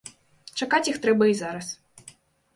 Чакаць іх трэба і зараз.